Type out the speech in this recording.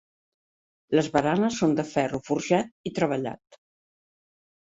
Les baranes són de ferro forjat i treballat.